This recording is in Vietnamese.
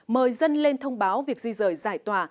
mời dân lên thông báo việc di rời giải tỏa